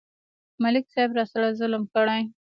ملک صاحب راسره ظلم کړی.